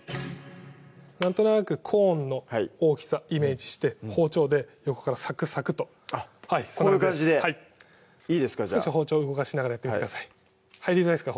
なんとなくコーンの大きさイメージして包丁で横からサクサクとこういう感じでいいですかじゃあ包丁動かしながらやってみてください入りづらいですか？